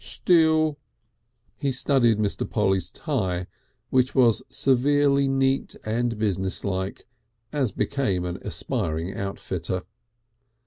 Still " He studied Mr. Polly's tie, which was severely neat and businesslike, as became an aspiring outfitter.